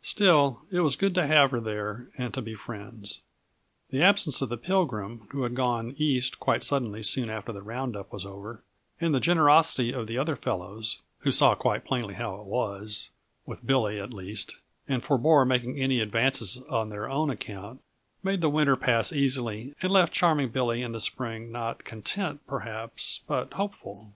Still, it was good to have her there and to be friends. The absence of the Pilgrim, who had gone East quite suddenly soon after the round up was over, and the generosity of the other fellows, who saw quite plainly how it was with Billy, at least and forbore making any advances on their own account, made the winter pass easily and left Charming Billy in the spring not content, perhaps, but hopeful.